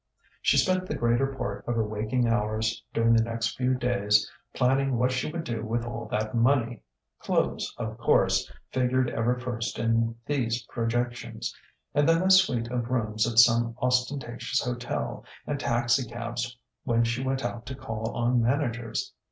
She spent the greater part of her waking hours, during the next few days, planning what she would do with all that money. Clothes, of course, figured ever first in these projections, and then a suite of rooms at some ostentatious hotel, and taxicabs when she went out to call on managers.